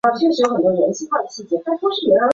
沙田区议会的会徽背景是青绿色。